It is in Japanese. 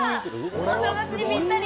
お正月にぴったり！